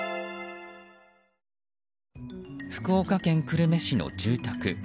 福岡県久留米市の住宅。